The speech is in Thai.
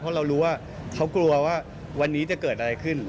เพราะเรารู้ว่าเขากลัวว่าวันนี้จะเกิดอะไรขึ้น